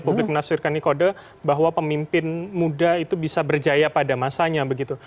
publik menafsirkan ini kode bahwa pemimpin muda itu bisa berjaya pada masanya begitu